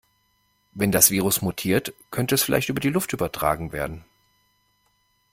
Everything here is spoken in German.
Wenn das Virus mutiert, könnte es vielleicht über die Luft übertragen werden.